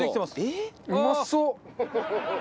うまそう！